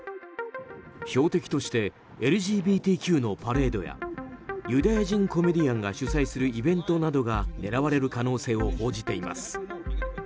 標的としてＬＧＢＴＱのパレードやユダヤ人コメディアンが主催するイベントなどが狙われる可能性を報じています。